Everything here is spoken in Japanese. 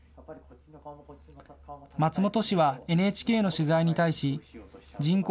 松本氏はＮＨＫの取材に対し人口